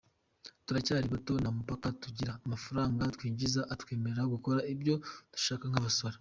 Turacyari bato, nta mupaka tugira, amafaranga twinjiza atwemerera gukora ibyo dushaka nk’abasore.